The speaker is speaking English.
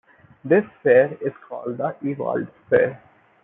This sphere is called the Ewald sphere.